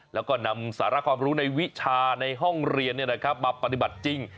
แล้วก็นำสาระความรู้ในวิชาในห้องเรียนมาปฏิบัติจริง